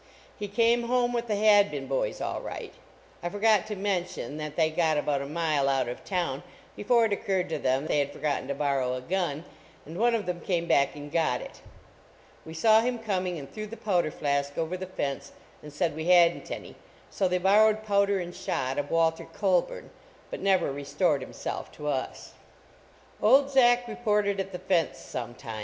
He came home with the Hadbin boys all right 1 forgot to mention that they got about a mile out of town before it occurred to them they had forgotten to borrow a gun, and one of them came back and got it we saw him coming and threw the powder flask over the fence, and said we hadn t any, so they borrowed powder and shot of Walter Colburn but never restored himself to us. Old Zack reported at the fence sometime